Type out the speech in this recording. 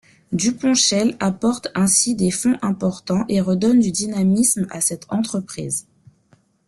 Duponchel apporte ainsi des fonds importants et redonne du dynamisme à cette entreprise.